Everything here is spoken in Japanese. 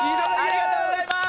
ありがとうございます！